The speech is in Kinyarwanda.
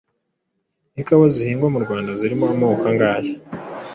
Ikawa zihingwa mu Rwanda zirimo amoko angahe?